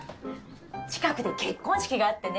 近くで結婚式があってね